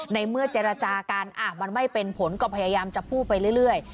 ในเมื่อเจรจากันมันไม่เป็นผลก็พยายามจะพูดไปเรื่อย